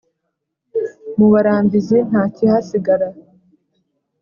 Mu Barambizi ntakihasigara